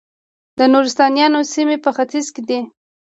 د نورستانیانو سیمې په ختیځ کې دي